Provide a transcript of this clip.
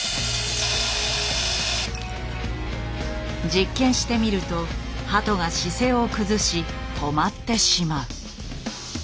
実験してみると鳩が姿勢を崩し止まってしまう。